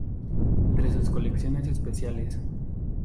Entre sus colecciones especiales,